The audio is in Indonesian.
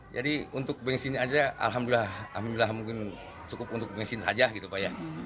jadi untuk bensin saja alhamdulillah cukup untuk bensin saja